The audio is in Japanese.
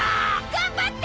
頑張って！